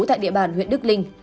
tại địa bàn huyện đức linh